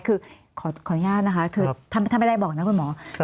คือขออนุญาตนะคะคือถ้าไม่ได้บอกนะคุณหมอ